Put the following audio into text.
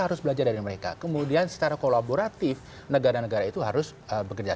harus belajar dari mereka kemudian secara kolaboratif negara negara itu harus bekerja